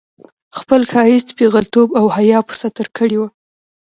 خپل ښايیت، پېغلتوب او حيا په ستر کړې وه